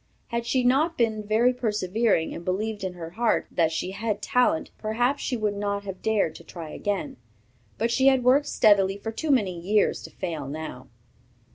Had she not been very persevering, and believed in her heart that she had talent, perhaps she would not have dared to try again, but she had worked steadily for too many years to fail now.